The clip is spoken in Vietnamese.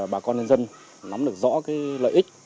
bà con nhân dân nắm được rõ lợi ích